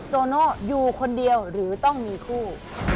โตโน่อยู่คนเดียวหรือต้องมีคู่